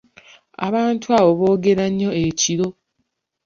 Abantu abo boogera nnyo ekiro.